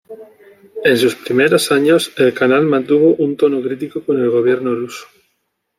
En sus primeros años, el canal mantuvo un tono crítico con el Gobierno ruso.